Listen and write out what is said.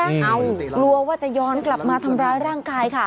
เอากลัวว่าจะย้อนกลับมาทำร้ายร่างกายค่ะ